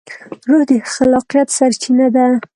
روح د خلاقیت سرچینه ده.